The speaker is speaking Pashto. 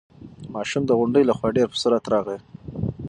ماشوم د غونډۍ له خوا په ډېر سرعت راغی.